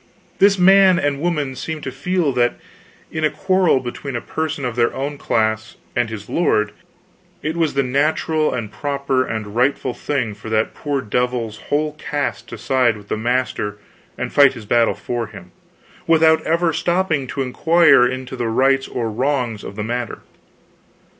This man and woman seemed to feel that in a quarrel between a person of their own class and his lord, it was the natural and proper and rightful thing for that poor devil's whole caste to side with the master and fight his battle for him, without ever stopping to inquire into the rights or wrongs of the matter.